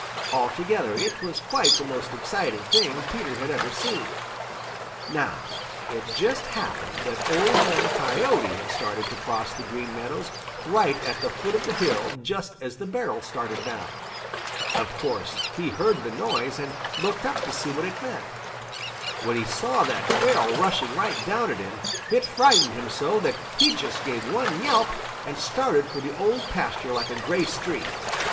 Altogether, it was quite the most exciting thing Peter had ever seen. Now it just happened that Old Man Coyote had started to cross the Green Meadows right at the foot of the hill just as the barrel started down. Of course, he heard the noise and looked up to see what it meant. When he saw that barrel rushing right down at him, it frightened him so that he just gave one yelp and started for the Old Pasture like a gray streak.